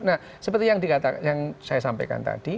nah seperti yang saya sampaikan tadi